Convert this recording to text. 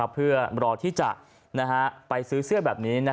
เพื่อรอที่จะไปซื้อเสื้อแบบนี้